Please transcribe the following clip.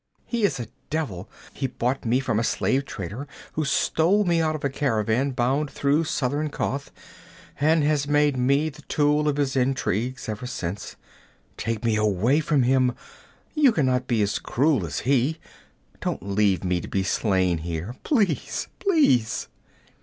'He is a devil he bought me from a slave trader who stole me out of a caravan bound through southern Koth, and has made me the tool of his intrigues ever since. Take me away from him! You can not be as cruel as he. Don't leave me to be slain here! Please! Please!'